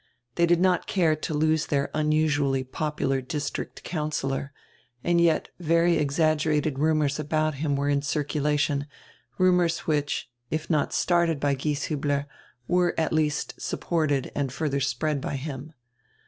They did not care to lose their unusually popular district councillor, and yet very exaggerated rumors about him were in circulation, rumors which, if not started by Gieshiibler, were at least supported and further spread by him.